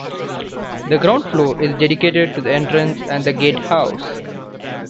The ground floor is dedicated to the entrance and the gatehouse.